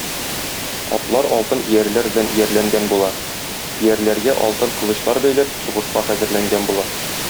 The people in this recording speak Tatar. Атлар алтын иярләр белән иярләнгән була, иярләргә алтын кылычлар бәйләп, сугышка хәзерләнгән була.